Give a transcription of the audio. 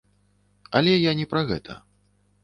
Але я не пра гэта.